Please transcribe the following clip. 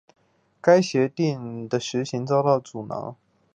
该协定的实行遭到阻挠。